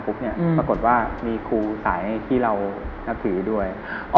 ปรากฏว่ามีครูสายที่เรานับถือด้วย